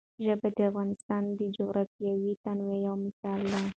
ژبې د افغانستان د جغرافیوي تنوع یو مثال دی.